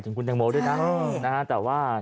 อย่างคุณแต่งโมหรือน้ำ